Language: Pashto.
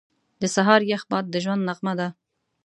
• د سهار یخ باد د ژوند نغمه ده.